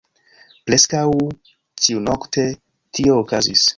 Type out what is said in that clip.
Preskaŭ ĉiunokte tio okazis.